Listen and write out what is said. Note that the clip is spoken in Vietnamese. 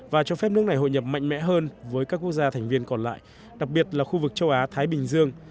và cho phép nước này hội nhập mạnh mẽ hơn với các quốc gia thành viên còn lại đặc biệt là khu vực châu á thái bình dương